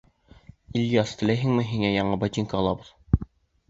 — Ильяс, теләйһеңме һиңә яңы ботинка алабыҙ?